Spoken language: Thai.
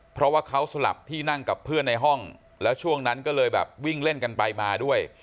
เพราะว่าเขาสลับที่นั่งกับเพื่อนในห้องแล้วช่วงนั้นก็เลยแบบวิ่งเล่นกันไปมาด้วย